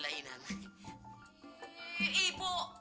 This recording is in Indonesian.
oryang ini manusia penting